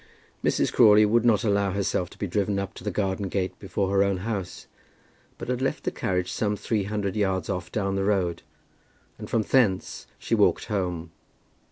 Mrs. Crawley would not allow herself to be driven up to the garden gate before her own house, but had left the carriage some three hundred yards off down the road, and from thence she walked home.